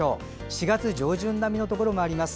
４月上旬並みのところもあります。